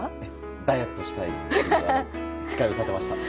ダイエットしたいという誓いを立てました。